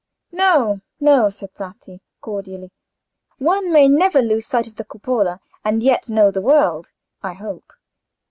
"No, no," said Bratti, cordially; "one may never lose sight of the Cupola and yet know the world, I hope.